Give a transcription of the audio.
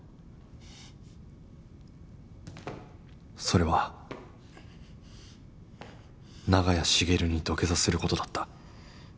それは長屋茂に土下座する事だった